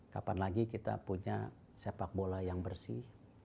kapan lagi kita punya sepak bola yang bersih